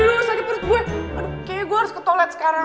aduh aduh aduh sakit perut gue kayaknya gue harus ke toilet sekarang